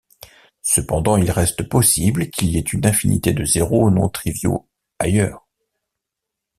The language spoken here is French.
Cependant il reste possible qu'il y ait une infinité de zéros non triviaux ailleurs.